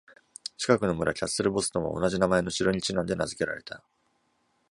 近くの村、キャッスル・ボストンは同じ名前の城にちなんで名付けられた。